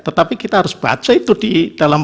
tetapi kita harus baca itu di dalam